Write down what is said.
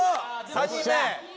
３人目！